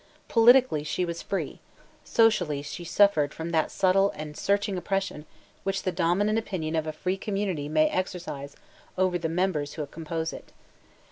Politically she was free; socially she suffered from that subtle and searching oppression which the dominant opinion of a free community may exercise over the members who compose it.